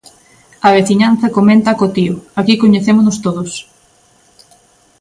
A veciñanza comenta acotío "aquí coñecémonos todos".